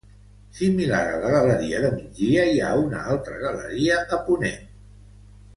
Similar a la galeria de migdia hi ha una altra galeria a ponent.